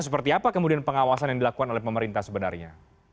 seperti apa kemudian pengawasan yang dilakukan oleh pemerintah sebenarnya